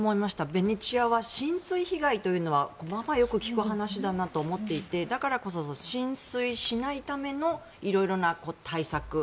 ベネチアは浸水被害というのはまあまあよく聞く話だなとは思っていてだからこそ浸水しないための色々な対策